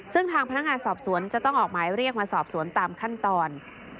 ซึ่งทางพนักงานสอบสวนจะต้องออกหมายเรียกมาสอบสวนตามขั้นตอน